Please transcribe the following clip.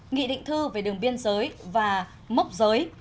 nghị định thư về đường biên giới và mốc giới